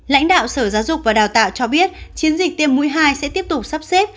lãnh đạo sở giáo dục và đào tạo cho biết chiến dịch tiêm mũi hai sẽ tiếp tục sắp xếp